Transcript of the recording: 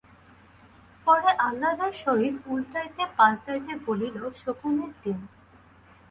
পরে আহ্বাদের সহিত উলটাইতে-পালটাইতে বলিল, শকুনির ডিম!